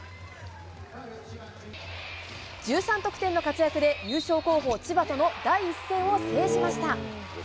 １３得点の活躍で、優勝候補、千葉との第１戦を制しました。